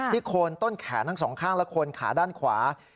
โคนต้นแขนทั้งสองข้างและคนขาด้านขวา